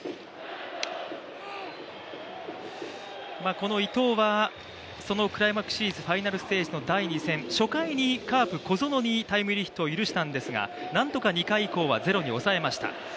この伊藤はそのクライマックスシリーズファイナルステージの第２戦、初回にカープ・小園にタイムリーを許したんですがなんとか２回以降はゼロに抑えました。